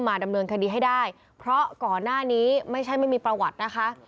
ดำเนินคดีให้ได้เพราะก่อนหน้านี้ไม่ใช่ไม่มีประวัตินะคะ